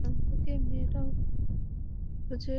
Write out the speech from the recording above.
মেয়েও খুঁজে নিয়েছে।